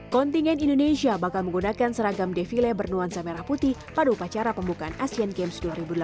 kontingen indonesia bakal menggunakan seragam defile bernuansa merah putih pada upacara pembukaan asian games dua ribu delapan belas